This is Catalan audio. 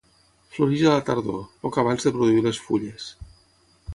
Floreix a la tardor, poc abans de produir les fulles.